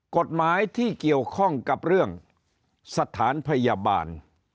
กฎหมายที่เกี่ยวข้องกับเรื่องสถานพยาบาล